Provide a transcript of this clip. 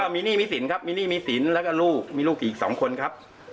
มีหนี้มีสินครับมีหนี้มีสินแล้วก็ลูกมีลูกอีก๒คนครับ